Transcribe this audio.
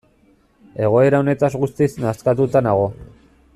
Egoera honetaz guztiz nazkatuta nago.